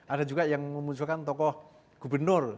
ada juga yang memunculkan tokoh gubernur